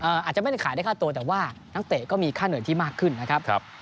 อาจจะไม่ได้ขายได้ค่าตัวแต่ว่านักเตะก็มีค่าเหนื่อยที่มากขึ้นนะครับ